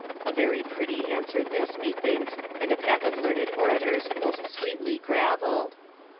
] a very pretty answer this, methinks, and a pack of learned orators most sweetly gravelled.